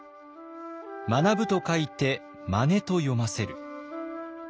「学ぶ」と書いて「まね」と読ませる。